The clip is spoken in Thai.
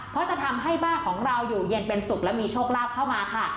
เพราะจะทำให้บ้านของเราอยู่เย็นเป็นสุขและมีโชคลาภเข้ามาค่ะ